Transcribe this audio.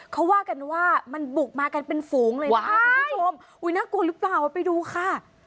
เขาว่ากันว่ามันบุกมากันเป็นฝูงเลยนะคะคุณผู้ชมอุ๊ยน่ากลัวหรือเปล่าไปดูค่ะ